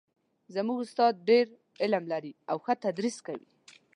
زموږ استاد ډېر علم لري او ښه تدریس کوي